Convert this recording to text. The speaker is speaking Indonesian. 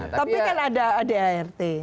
tapi kan ada adart